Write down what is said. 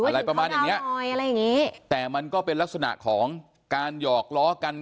อะไรประมาณอย่างนี้แต่มันก็เป็นลักษณะของการหยอกล้อกัน